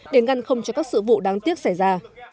để ngăn không cho các sự vụ đáng tiếc xảy ra